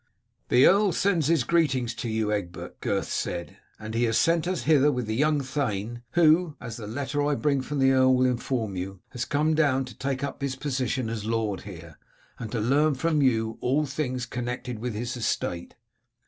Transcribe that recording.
"The earl sends his greetings to you, Egbert," Gurth said, "and he has sent us hither with the young thane, who, as the letter I bring from the earl will inform you, has come down to take up his position as lord here, and to learn from you all things connected with his estate."